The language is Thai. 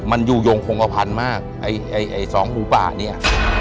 มันอยู่ยงฮงภัณฑ์มากไอ้สองหมูป่านี้